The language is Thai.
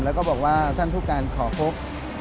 แล้วก็บอกว่าท่านผู้การขอพบ